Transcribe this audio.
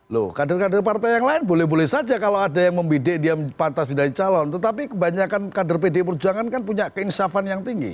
loh kader kader partai yang lain boleh boleh saja kalau ada yang membidik dia pantas menjadi calon tetapi kebanyakan kader pdi perjuangan kan punya keinsafan yang tinggi